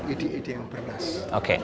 ide ide yang berdasar